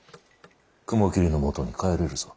雲霧のもとに帰れるぞ。